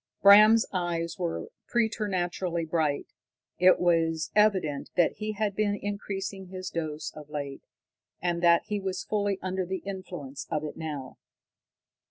Bram's eyes were preternaturally bright. It was evident that he had been increasing his dose of late, and that he was fully under the influence of it now.